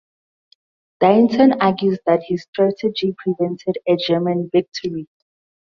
Deighton argues that his strategy prevented a German victory.